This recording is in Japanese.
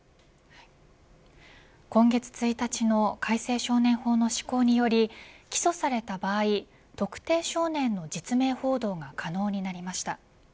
今月１日の改正少年法の施行により起訴された場合、特定少年の実名報道が可能になりました。